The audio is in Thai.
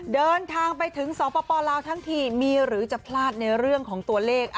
เดินทางไปถึงสปลาวทั้งทีมีหรือจะพลาดในเรื่องของตัวเลข